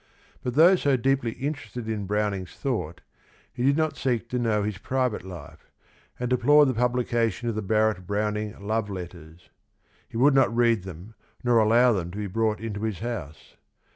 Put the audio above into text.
But though so deeply interested in Browning's thought he did not seek to know his private life, and de plored the publication of the Barrett Browning love letters. He would not read them nor allow them to be brought into his house.